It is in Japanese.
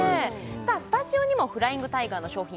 スタジオにもフライングタイガーの商品